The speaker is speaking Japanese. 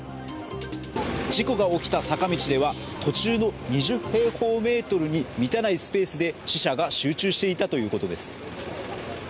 事故が起きた坂道では途中の２０平方メートルに満たないスペースで死者が集中していたということです。